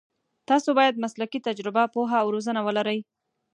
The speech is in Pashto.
تاسو باید مسلکي تجربه، پوهه او روزنه ولرئ.